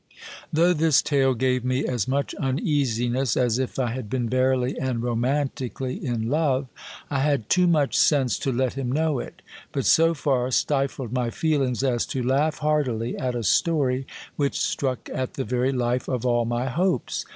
' Though this tale gave me as much uneasiness as if I had been verily and ro mantically in love, I had too much sense to let him know it ; but so far stifled my feelings as to laugh heartily at a story which struck at the very life of all my hopes.